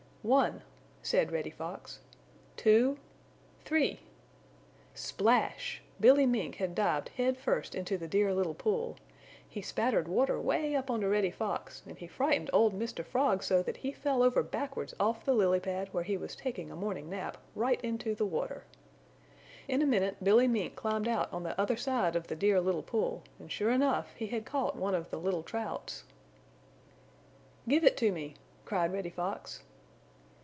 "One!" said Reddy Fox, "Two! Three!" Splash! Billy Mink had dived head first into the Dear Little Pool. He spattered water way up onto Reddy Fox, and he frightened old Mr. Frog so that he fell over backwards off the lily pad where he was taking a morning nap right into the water. In a minute Billy Mink climbed out on the other side of the Dear Little Pool and sure enough, he had caught one of the little Trouts. "Give it to me," cried Reddy Fox.